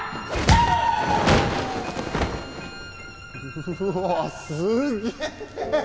うわぁすっげえ！